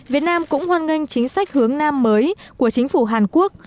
việt nam cũng hoan nghênh chính sách hướng nam mới của chính phủ hàn quốc